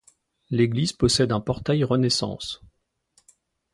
L'église possède un portail renaissance.